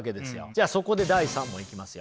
じゃあそこで第３問いきますよ。